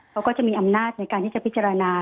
เขาก็จะมีอำนาจในการที่จะพิจารณา